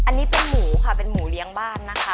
อันนี้เป็นหมูค่ะเป็นหมูเลี้ยงบ้านนะคะ